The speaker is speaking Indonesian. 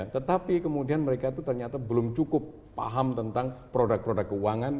tetapi kemudian mereka itu ternyata belum cukup paham tentang produk produk keuangan